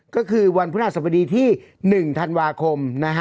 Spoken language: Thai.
ก็คือวันพฤหัสบดีที่๑ธันวาคม